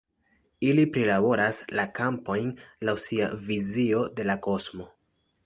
Ili prilaboras la kampojn laŭ sia vizio de la kosmo.